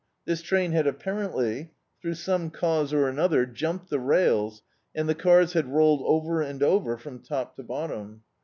This train had ap parently, through some cause or another, jumped the rails, and the cars had rolled over and over from t(^ to bottom.